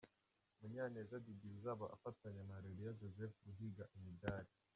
Munyaneza Didier uzaba afatanya na Areruya Joseph guhiga imidali .